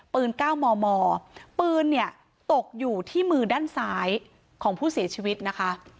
ปืนก้าวมอปืนตกอยู่ที่มือด้านซ้ายของผู้เสียชีวิตนะคะ